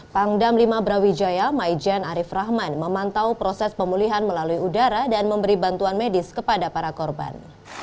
pangdam lima brawijaya maijen arief rahman memantau proses pemulihan melalui udara dan memberi bantuan medis kepada para korban